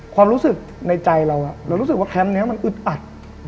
ความรู้สึกในใจเราเรารู้สึกว่าแคมป์นี้มันอึดอัด